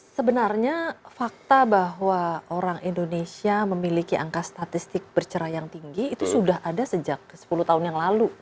sebenarnya fakta bahwa orang indonesia memiliki angka statistik berceraian tinggi itu sudah ada sejak sepuluh tahun yang lalu